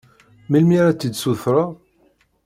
Melmi ara tt-id-sutreḍ?